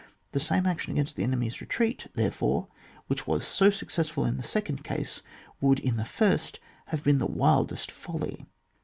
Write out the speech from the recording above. The same action against the enemy's retreat therefore, which was so successful in the second case, would, in the first, have been the wildest folly.